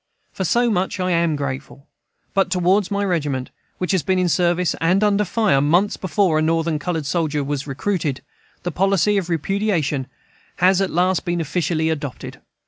For so much I am grateful. But toward my regiment, which had been in service and under fire, months before a Northern colored soldier was recruited, the policy of repudiation has at last been officially adopted.